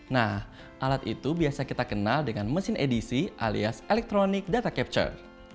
nah alat itu biasa kita kenal dengan mesin edisi alias electronic data capture